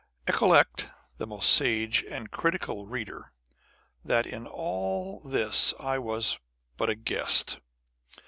Recollect (most sage and critical reader) that in all this I was but a guest